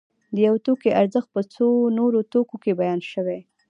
د یو توکي ارزښت په څو نورو توکو کې بیان شوی